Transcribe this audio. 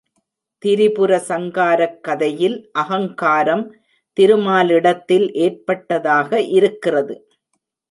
திரிபுர சங்காரக் கதையில் அகங்காரம் திருமாலிடத்தில் ஏற்பட்டதாக இருக்கிறது.